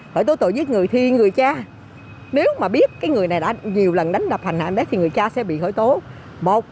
khởi tố tội giết người thi người cha nếu mà biết cái người này đã nhiều lần đánh đập hành hại bé thì người cha sẽ bị khởi tố